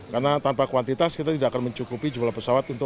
karena tanpa kuantitas kita tidak akan mencukupi jumlah pesawat